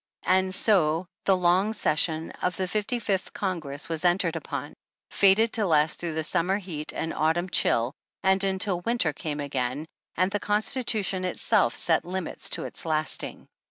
And so the " Long Session " of the fifty fifth Con gress was entered upon, fated to last through summer heat and autumn chill, and until winter came again and the Constitution itself set limits to its lasting.